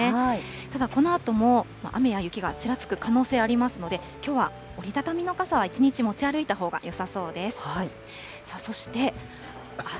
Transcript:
ただこのあとも、雨や雪がちらつく可能性がありますので、きょうは折り畳みの傘は一日持ち歩いたほうがよさそうです。